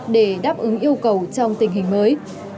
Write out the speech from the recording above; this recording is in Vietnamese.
để đáp ứng yêu cầu trong tình hình mới